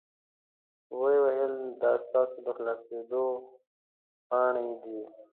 وې ویل دا ستاسو د خلاصیدو پاڼې دي.